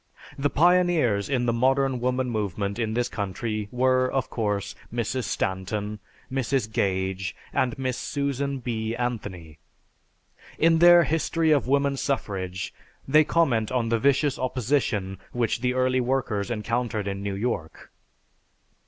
The pioneers in the Modern Woman Movement in this country were, of course, Mrs. Stanton, Mrs. Gage, and Miss Susan B. Anthony. In their "History of Woman Suffrage" they comment on the vicious opposition which the early workers encountered in New York.